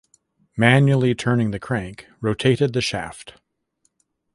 Manually turning the crank rotated the shaft.